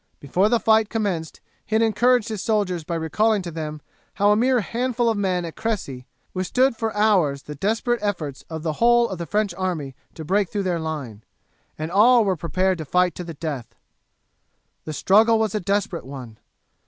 Before the fight commenced he had encouraged his soldiers by recalling to them how a mere handful of men had at Cressy withstood for hours the desperate efforts of the whole of the French army to break through their line, and all were prepared to fight to the death. The struggle was a desperate one.